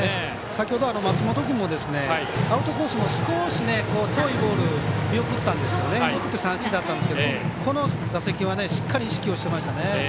先ほど、松本君もアウトコースの少し遠いボール見送って三振だったんですけどこの打席はしっかり意識をしていましたね。